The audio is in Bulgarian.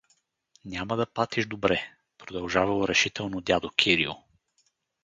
Няма да патиш добре — продължавал решително дядо Кирил.